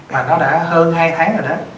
mà nó đã hơn hai tháng rồi đó